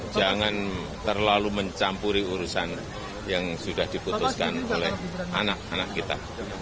jangan terlalu mencampuri urusan yang sudah diputuskan oleh anak anak kita